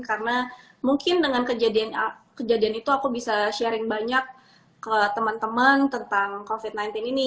karena mungkin dengan kejadian itu aku bisa sharing banyak ke temen temen tentang covid sembilan belas ini